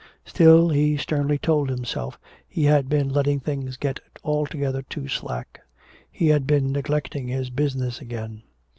Still, he sternly told himself, he had been letting things get altogether too slack. He had been neglecting his business again.